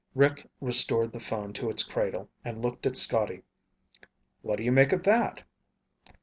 Rick restored the phone to its cradle and looked at Scotty. "What do you make of that?"